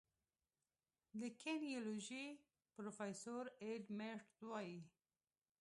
د کینیزیولوژي پروفیسور ایډ میرټ وايي